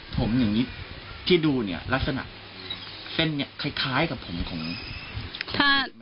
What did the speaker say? ผมอย่างนี้ที่ดูเนี่ยลักษณะเส้นเนี่ยคล้ายกับผมของ